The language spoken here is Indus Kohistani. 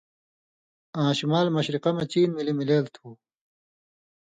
آں شمال مشرق مہ چین ملی مِلېل تُھو،